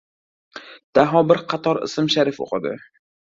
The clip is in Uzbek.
Daho bir qator ism-sharif o‘qidi.